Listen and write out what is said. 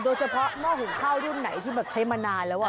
โดยเฉพาะมั่วหุงข้าวที่มันไหนที่ใช้มานานแล้ว